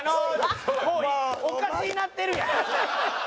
おかしなってるやん。